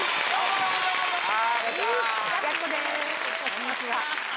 こんにちは。